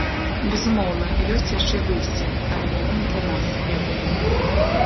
Безумоўна, ёсць яшчэ выйсце, але яно не для нас, я думаю.